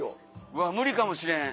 うわ無理かもしれん。